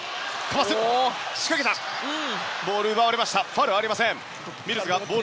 ファウルありません。